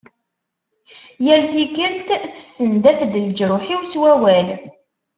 Yal tikelt tessendaf-d leǧruḥ-iw s wawal.